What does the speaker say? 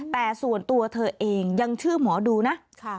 แต่ส่วนตัวเธอเองยังชื่อหมอดูนะ